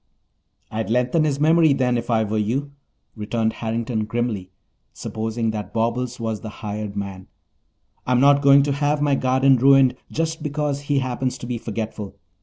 "I'd lengthen his memory, then, if I were you," returned Harrington grimly, supposing that Bobbles was the hired man. "I'm not going to have my garden ruined just because he happens to be forgetful.